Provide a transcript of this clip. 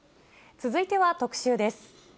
続いては特集です。